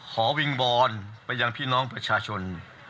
วิงวอนไปยังพี่น้องประชาชน